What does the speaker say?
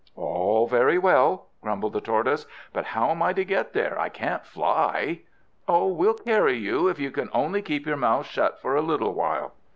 "All very well," grumbled the Tortoise, "but how am I to get there? I can't fly!" "Oh, we'll carry you, if you can only keep your mouth shut for a little while."